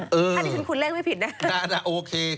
ถ้าดิฉันคุณเลขไม่ผิดนะโอเค